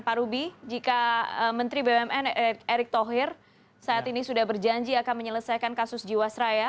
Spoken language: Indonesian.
pak ruby jika menteri bumn erick thohir saat ini sudah berjanji akan menyelesaikan kasus jiwasraya